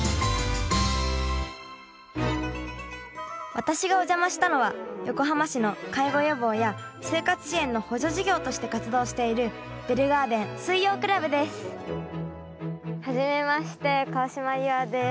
私がお邪魔したのは横浜市の介護予防や生活支援の補助事業として活動しているベルガーデン水曜クラブですはじめまして川島夕空です。